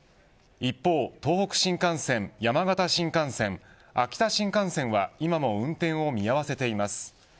一方、東北新幹線、山形新幹線秋田新幹線は今も運転を見合わせています。